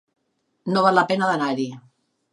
No val la pena d'anar-hi.